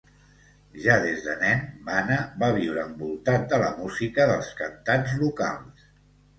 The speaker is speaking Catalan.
Ja des de nen, Bana va viure envoltat de la música dels cantants locals.